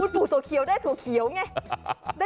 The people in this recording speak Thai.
ปู่ถั่วเขียวได้ถั่วเขียวไง